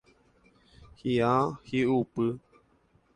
Hi'a hi'upy.